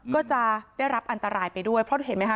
ก็จะได้รับอันตรายไปด้วยเพราะเห็นไหมค